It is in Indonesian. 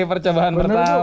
wih percobaan pertama